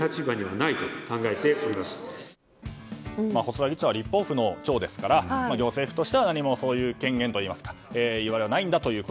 細田議長は立法府の長ですから行政府としては何も権限といいますか言うあれはないんだという。